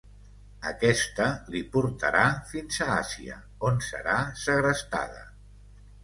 Aquesta li portarà fins a Àsia, on serà segrestada.